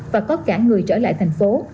và có cả người trở lại thành phố